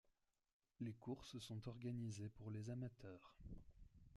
Les courses sont organisées pour les amateurs.